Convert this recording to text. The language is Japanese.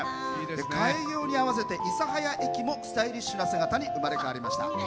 開業に合わせて諫早駅もスタイリッシュな駅に生まれ変わりました。